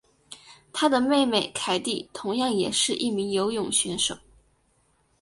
她的妹妹凯蒂同样也是一名游泳选手。